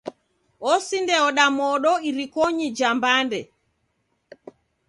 Osindaoda modo irikonyi ja mbande.